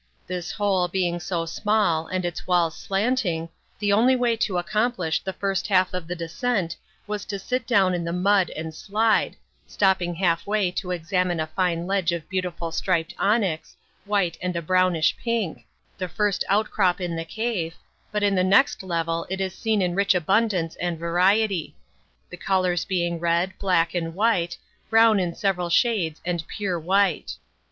This hole being so small and its walls slanting, the only way to accomplish the first half of the descent was to sit down in the mud and slide, stopping half way to examine a fine ledge of beautiful striped onyx, white and a brownish pink, the first outcrop in the cave, but in the next level it is seen in rich abundance and variety; the colors being red, black and white, brown in several shades and pure white.